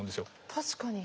確かに。